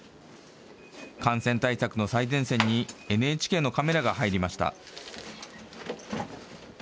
感染対策の最前線にＮＨＫのカメラが入りました。